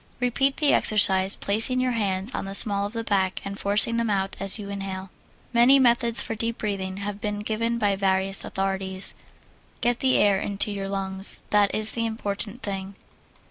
Repeat the exercise, placing your hands on the small of the back and forcing them out as you inhale. Many methods for deep breathing have been given by various authorities. Get the air into your lungs that is the important thing.